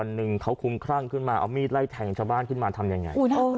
อยู่หน้าร้านขายของชำด้วยนะ